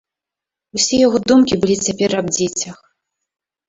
Усе яго думкі былі цяпер аб дзецях.